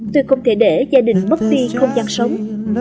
tôi không thể để gia đình mất đi không gian sống